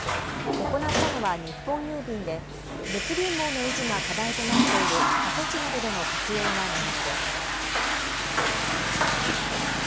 行ったのは日本郵便で物流網の維持が課題となっている過疎地などでの活用がねらいです。